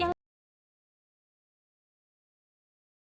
aku tuh lagi gak tau aku harus gimana sat